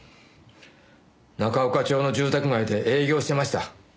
中岡町の住宅街で営業してました。